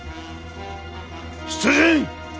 出陣！